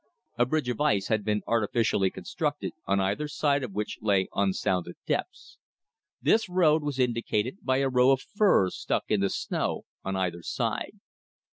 A bridge of ice had been artificially constructed, on either side of which lay unsounded depths. This road was indicated by a row of firs stuck in the snow on either side.